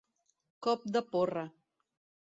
Cop de porra.